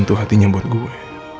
itu hatinya buat gue